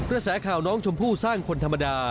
แสข่าวน้องชมพู่สร้างคนธรรมดา